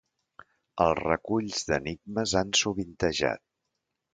Els reculls d'enigmes han sovintejat.